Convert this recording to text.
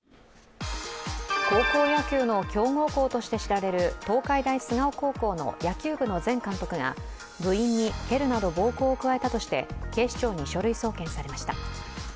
高校野球の強豪校として知られる東海大菅生高校の野球部の前監督が、部員に蹴るなど暴行を加えたとして警視庁に書類送検されました。